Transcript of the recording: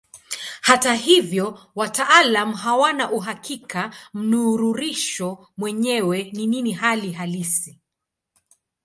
Hata hivyo wataalamu hawana uhakika mnururisho mwenyewe ni nini hali halisi.